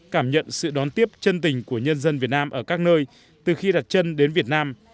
cảm nhận sự đón tiếp chân tình của nhân dân việt nam ở các nơi từ khi đặt chân đến việt nam